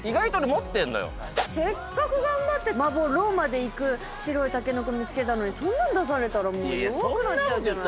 せっかく頑張って「まぼろ」までいく白いたけのこ見つけたのにそんなん出されたらもう弱くなっちゃう。